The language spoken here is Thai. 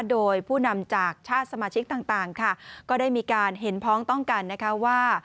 โดยผู้นำจากชาติสมาชิกต่างค่ะก็ได้มีการเห็นพ้องต้องกันนะคะว่า